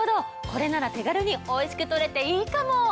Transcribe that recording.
これなら手軽においしく取れていいかも！